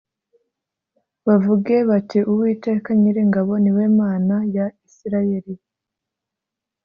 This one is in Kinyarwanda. bavuge bati Uwiteka Nyiringabo ni we Mana ya isirayeli